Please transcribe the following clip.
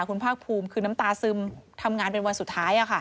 คุณภาคภูมิคือน้ำตาซึมทำงานเป็นวันสุดท้าย